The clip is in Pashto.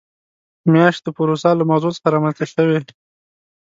میاشت د پوروسا له مغزو څخه رامنځته شوې.